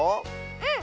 うん。